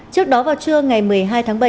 trước đó vào trưa ngày một mươi hai tháng bảy